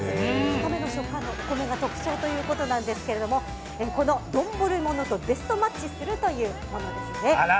硬めの食感のお米が特徴ということですがこの丼ものとベストマッチするものですね。